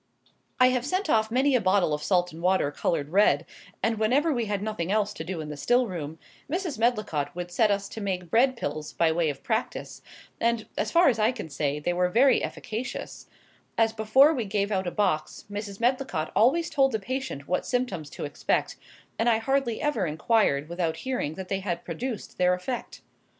I have sent off many a bottle of salt and water coloured red; and whenever we had nothing else to do in the still room, Mrs. Medlicott would set us to making bread pills, by way of practice; and, as far as I can say, they were very efficacious, as before we gave out a box Mrs. Medlicott always told the patient what symptoms to expect; and I hardly ever inquired without hearing that they had produced their effect.